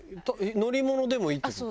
乗り物でもいいって事？